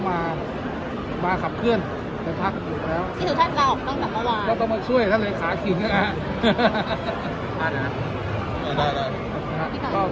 มามากับเคจรภาพอยู่แล้วสิธุท่านรอบตั้งแต่มามามาจะมา